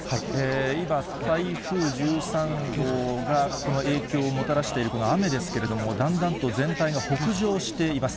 今、台風１３号がこの影響をもたらしている雨ですけれども、だんだんと全体が北上しています。